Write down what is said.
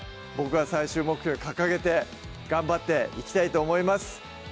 僕は最終目標に掲げて頑張っていきたいと思います